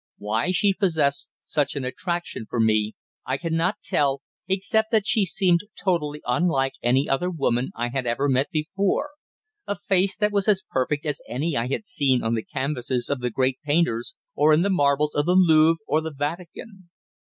Why she possessed such an attraction for me I cannot tell, except that she seemed totally unlike any other woman I had ever met before a face that was as perfect as any I had seen on the canvases of the great painters, or in the marbles of the Louvre or the Vatican.